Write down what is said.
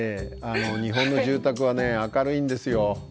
日本の住宅はね明るいんですよ。